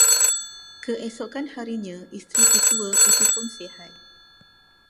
Keesokan harinya isteri si tua itupun sihat.